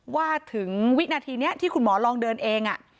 ว่าถึงวินาทีนี้ที่คุณหมอลองเดินเอง